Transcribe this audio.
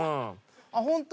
あっホント。